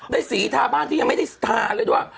สีทาบ้านที่ยังไม่ได้ทาเลยด้วย